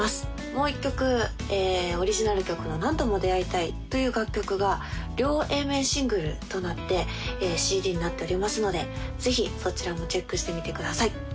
もう一曲オリジナル曲の「何度も出逢いたい」という楽曲が両Ａ面シングルとなってＣＤになっておりますのでぜひそちらもチェックしてみてください